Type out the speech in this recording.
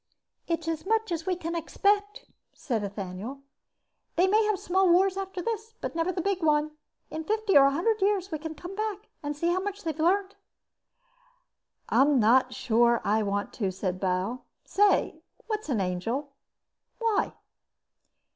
"It's as much as we can expect," said Ethaniel. "They may have small wars after this, but never the big one. In fifty or a hundred years we can come back and see how much they've learned." "I'm not sure I want to," said Bal. "Say, what's an angel?" "Why?"